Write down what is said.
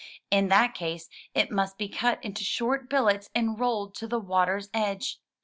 In that case it must be cut into short billets and rolled to the water's edge.